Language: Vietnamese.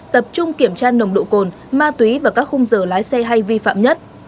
tập trung kiểm tra nồng độ cồn ma túy và các khung giờ lái xe hay vi phạm nhất